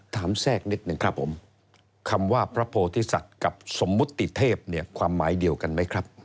แทรกนิดหนึ่งครับผมคำว่าพระโพธิสัตว์กับสมมุติเทพเนี่ยความหมายเดียวกันไหมครับ